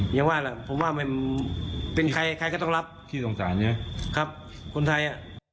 ยังว่าผมว่าเป็นใครใครก็ต้องรับขี่สงสารเนี่ยครับคนไทย